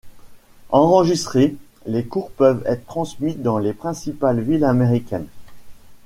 Enregistrés, les cours peuvent être transmis dans les principales villes américaines.